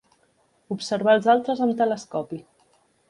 Observar els astres amb telescopi.